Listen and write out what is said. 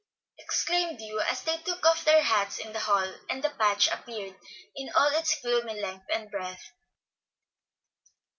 exclaimed Hugh, as they took off their hats in the hall, and the patch appeared in all its gloomy length and breadth.